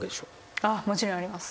もちろんあります。